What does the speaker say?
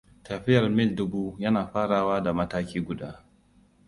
Tafiyar mil dubu yana farawa da mataki guda.